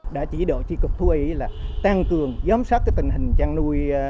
đã chỉ đội chí cục thú y là tăng cường giám sát tình hình chăn nuôi